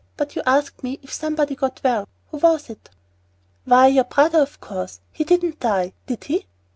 "But you asked me if somebody got well. Who was it?" "Why, your brother of course. He didn't die, did he?"